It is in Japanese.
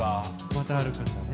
また歩くんだね。